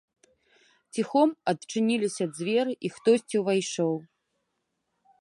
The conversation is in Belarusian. Ціхом адчыніліся дзверы і хтосьці ўвайшоў.